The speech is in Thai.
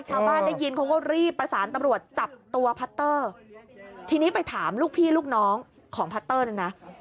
ชาวบ้านได้ยินเขาก็รีบประสานตำรวจจับตัวพัตเตอร์ทีนี้ไปถามลูกพี่ลูกน้องของพัตเตอร์เนี่ยนะ